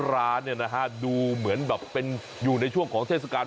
ร้านเนี่ยนะฮะดูเหมือนแบบเป็นอยู่ในช่วงของเทศกาล